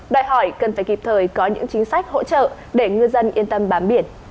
đòi hỏi cần phải kịp thời có những chính sách hỗ trợ để ngư dân yên tâm bám biển